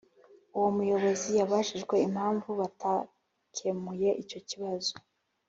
Uwo muyobozi yabajijwe impamvu batakemuye icyo kibazo